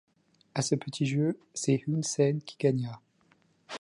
À ce petit jeu, c’est Hun Sen qui gagna.